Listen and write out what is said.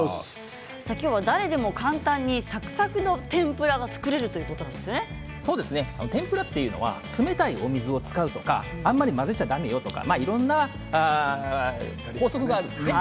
今日は誰でも簡単にサクサクの天ぷらを作れるという天ぷらというのは冷たい水を使うとかあまり混ぜちゃだめよとかいろいろな法則があるんですね。